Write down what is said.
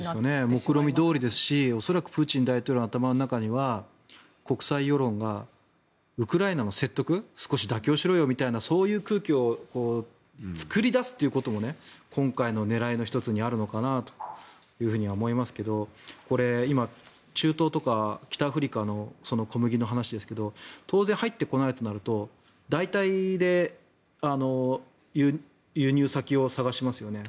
目論見どおりですし恐らく、プーチン大統領の頭の中には国際世論がウクライナの説得少し妥協しろよみたいなそういう空気を作り出すっていうことも今回の狙いの１つにあるのかなと思いますけどこれ、今、中東とか北アフリカの小麦の話ですが当然入ってこないとなると代替で輸入先を探しますよね。